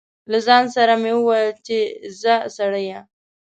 له ځان سره مې و ویل چې ځه سړیه.